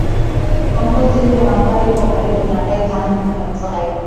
kiongozi huyo ambaye yupo karibu na rais hamid karzai